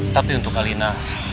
tapi untuk alina